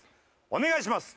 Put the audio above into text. お願いします。